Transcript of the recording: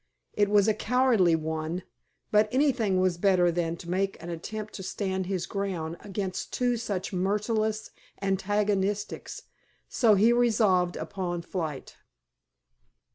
It was a cowardly one; but anything was better than to make an attempt to stand his ground against two such merciless antagonists; so he resolved upon flight.